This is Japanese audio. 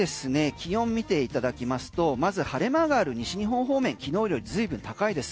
気温見ていただきますとまず晴れ間がある西日本方面昨日よりずいぶん高いです